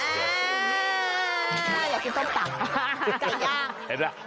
อยากกินส้มตำ